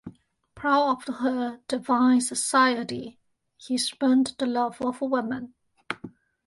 Proud of her divine society, he spurned the love of women.